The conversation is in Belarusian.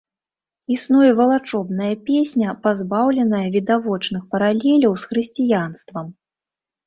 Існуе валачобная песня, пазбаўленая відавочных паралеляў з хрысціянствам.